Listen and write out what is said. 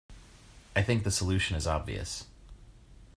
I think the solution is obvious.